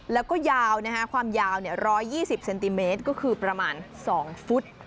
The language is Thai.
แล้วก็ยาวความยาว๑๒๐เซนติเมตรก็คือประมาณ๒ฟุต